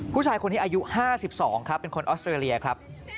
ผู้ชายคนนี้อายุ๕๒ครับเป็นคนออสเตรเลียครับ